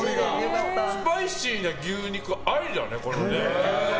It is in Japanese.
スパイシーな牛肉、アリだね。